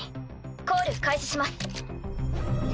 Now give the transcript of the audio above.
コール開始します。